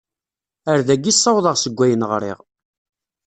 Ar dagi i ssawḍeɣ seg wayen ɣriɣ.